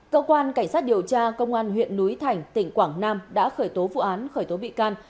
cơ quan cảnh sát điều tra công an huyện núi thành tỉnh quảng nam đã khởi tố vụ án khởi tố bị can